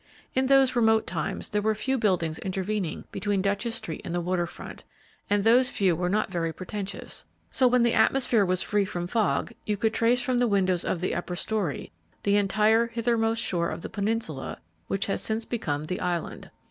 In those remote times there were few buildings intervening between Duchess street and the water front, and those few were not very pretentious; so that when the atmosphere was free from fog you could trace from the windows of the upper story the entire hithermost shore of the peninsula which has since become The Island.